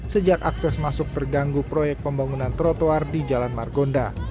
sejak akses masuk terganggu proyek pembangunan trotoar di jalan margonda